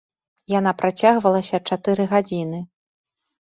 Яна працягвалася чатыры гадзіны.